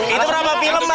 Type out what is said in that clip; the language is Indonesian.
itu berapa film mbak